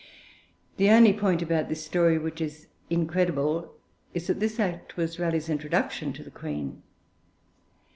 The only point about this story which is incredible is that this act was Raleigh's introduction to the Queen.